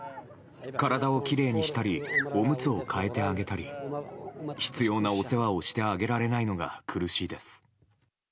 体をきれいにしたり、おむつを替えてあげたり、必要なお世話をしてあげられないのが苦しいです。